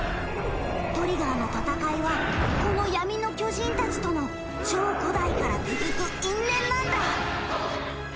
トリガーの戦いはこの闇の巨人たちとの超古代から続く因縁なんだ。